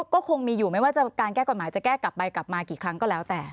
ก็คงมีอยู่ไม่ว่าจะการแก้กฎหมายจะแก้กลับไปกลับมากี่ครั้งก็แล้วแต่